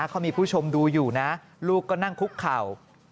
เขามีผู้ชมดูอยู่นะลูกก็นั่งคุกเข่า